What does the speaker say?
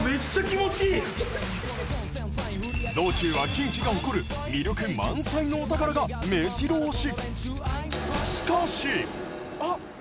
道中は近畿が誇る魅力満載のお宝がめじろ押し。